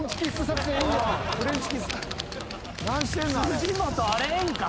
辻本あれええんか？